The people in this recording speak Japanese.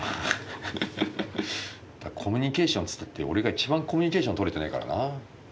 コミュニケーションっつったって俺が一番コミュニケーションとれてないからな。